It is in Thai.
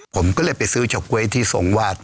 ผมก็เลยไปซื้อเฉาก๊วยที่ทรงวาด